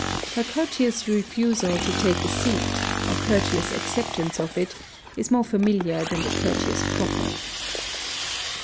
Her courteous refusal to take a seat, or courteous acceptance of it, is more familiar than the courteous proffer.